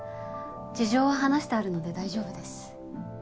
事情は話してあるので大丈夫